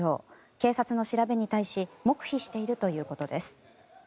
警察の調べに対し黙秘しているということです。